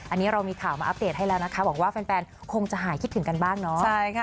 อันนี้เรามีข่าวมาอัปเดตให้แล้วนะคะบอกว่าแฟนคงจะหายคิดถึงกันบ้างเนาะ